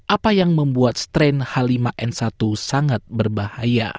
apa yang membuat strain h lima n satu sangat berbahaya